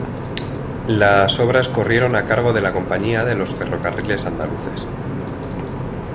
Las obras corrieron a cargo de la Compañía de los Ferrocarriles Andaluces.